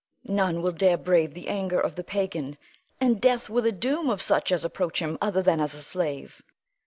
None will dare brave the anger of the pagan, and death were the doom of such as approach him other than as a slave.